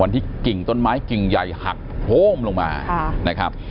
ที่กิ่งต้นไม้กิ่งใหญ่หักโค้มลงมานะครับ